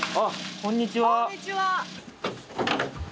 こんにちは。